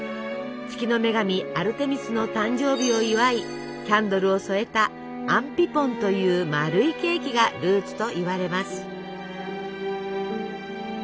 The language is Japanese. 月の女神アルテミスの誕生日を祝いキャンドルを添えたアンピポンという丸いケーキがルーツといわれます。